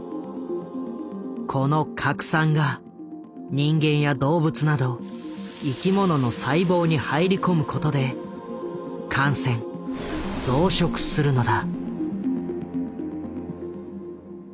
この核酸が人間や動物など生き物の細胞に入り込むことで感染増殖するのだ。